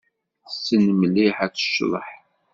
Tessen mliḥ ad tecḍeḥ.